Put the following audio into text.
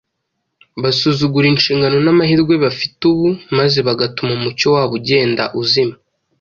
Basuzugura inshingano n’amahirwe bafite ubu maze bagatuma umucyo wabo ugenda uzima